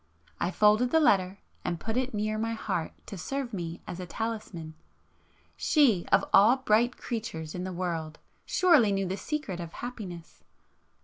I folded the letter and put it near my heart to serve me as a talisman, ... she, of all bright creatures in the world surely knew the secret of happiness!